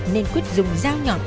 nên quyết dùng dao nhọt